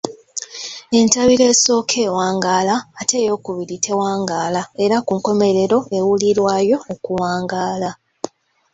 Entabiro esooka ewangaala, ate eyookubiri tewangaala era ku nkomerero ewulirwayo okuwangaala.